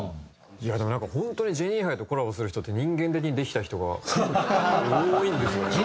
いやあでもなんか本当にジェニーハイとコラボする人って人間的にできた人が多いんですよね。